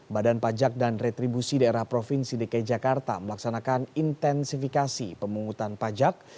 badan pajak dan retribusi daerah provinsi dki jakarta melaksanakan intensifikasi pemungutan pajak